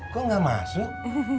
kok gak masuk